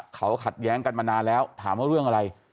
เขาขัดแย้งกันมานานแล้วถามว่าเรื่องอะไร